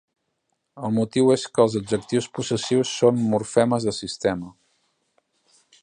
El motiu és que els adjectius possessius són morfemes de sistema.